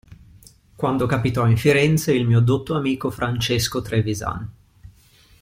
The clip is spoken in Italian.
Quando capitò in Firenze il mio dotto amico Francesco Trevisan.